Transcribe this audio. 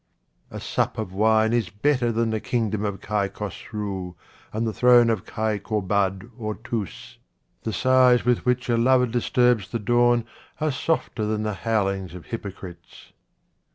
A SUP of wine is better than the kingdom of Kai Khosrou and the throne of Kai Kobad or Thous. The sighs with which a lover dis turbs the dawn are softer than the howlings of hypocrites.